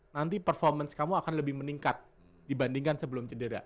nanti performance kamu akan lebih meningkat dibandingkan sebelum cedera